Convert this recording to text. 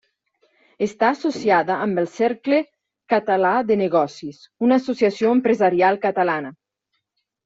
Està associada amb el Cercle Català de Negocis, una associació empresarial catalana.